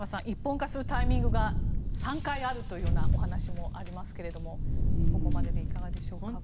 一本化するタイミングが３回あるというお話もありますがここまででいかがでしょうか？